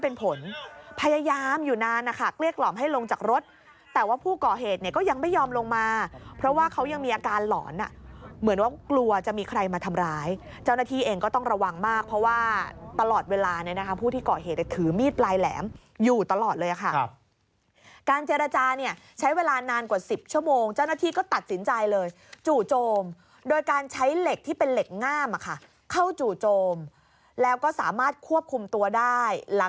เป็นผลพยายามอยู่นานนะคะเกลี้ยกหล่อมให้ลงจากรถแต่ว่าผู้ก่อเหตุเนี้ยก็ยังไม่ยอมลงมาเพราะว่าเขายังมีอาการหลอนอ่ะเหมือนว่ากลัวจะมีใครมาทำร้ายเจ้าหน้าทีเองก็ต้องระวังมากเพราะว่าตลอดเวลาเนี้ยนะคะผู้ที่ก่อเหตุเนี้ยถือมีดปลายแหลมอยู่ตลอดเลยอ่ะค่ะครับการเจรจาเนี้ยใช้เวลานานกว่าสิบชั่วโ